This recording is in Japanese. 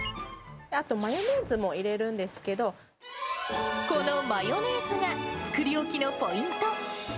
あとマヨネーズも入れるんでこのマヨネーズが、作り置きのポイント。